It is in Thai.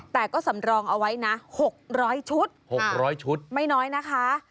แต่ก็สำรองเอาไว้นะ๖๐๐ชุด๖๐๐ชุดไม่น้อยนะคะ